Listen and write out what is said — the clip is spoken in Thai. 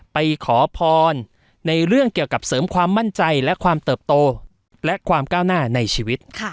ไปขอพรในเรื่องเกี่ยวกับเสริมความมั่นใจและความเติบโตและความก้าวหน้าในชีวิต